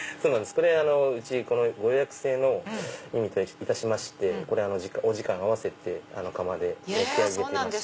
うちご予約制の意味といたしましてお時間合わせて窯で焼き上げてまして。